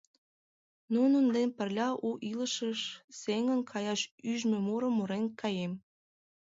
Нунын дене пырля у илышыш сеҥен каяш ӱжмӧ мурым мурен каем!